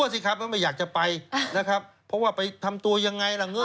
สิครับว่าไม่อยากจะไปนะครับเพราะว่าไปทำตัวยังไงล่ะเง้อ